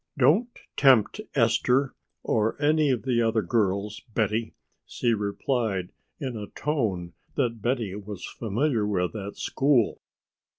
"Don't tempt Esther or any of the other girls, Betty," she replied in a tone that Betty was familiar with at school.